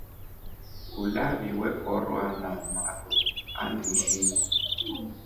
Ulavi wekorwa na maru andishi.